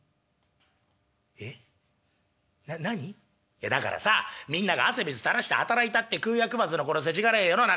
「いやだからさみんなが汗水たらして働いたって食うや食わずのこのせちがれえ世の中。